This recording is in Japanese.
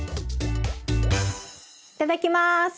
いただきます。